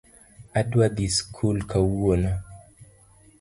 Adwa dhii sikul kawuono